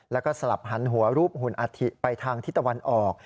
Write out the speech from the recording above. แล้วก็สลับหันหัวรูปหุ่นอาธิไปทางทิศตะวันออก